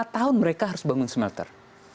lima tahun mereka harus membangun smelter